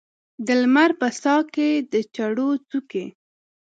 د لمر په ساه کې د چړو څوکې